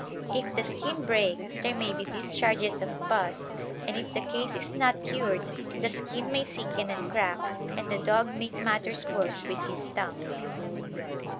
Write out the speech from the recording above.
If the skin breaks there may be discharges of pus, and if the case is not cured the skin may thicken and crack, and the dog make matters worse with his tongue.